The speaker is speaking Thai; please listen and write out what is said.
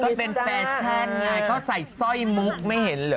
มันเป็นแฟชั่นไงเขาใส่สร้อยมุกไม่เห็นเหรอ